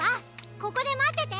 ここでまってて！